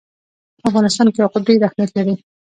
په افغانستان کې یاقوت ډېر اهمیت لري.